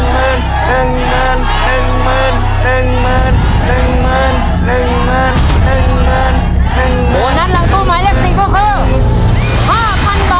โบนัสหลังตู้หมายเลข๔ก็คือ